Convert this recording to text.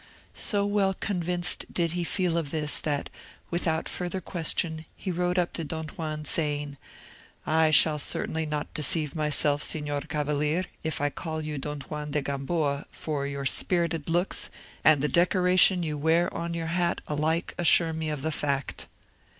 So well convinced did he feel of this, that, without further question, he rode up to Don Juan, saying, "I shall certainly not deceive myself, Signor Cavalier, if I call you Don Juan de Gamboa, for your spirited looks, and the decoration you wear on your hat, alike assure me of the fact."